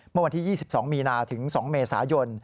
เมื่อวันที่๒๒มีนาถึง๒เมษายน